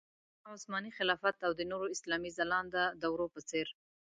لکه عثماني خلافت او د نورو اسلامي ځلانده دورو په څېر.